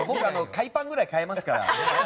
海パンぐらい買えますから。